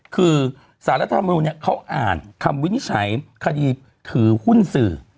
คือสารรัฐธรรมนูลเขาอ่านคำวินิจฉัยคดีถือหุ้นสื่อ